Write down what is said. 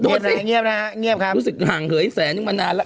โดดสิรู้สึกห่างเหยแสนนึงมานานแล้ว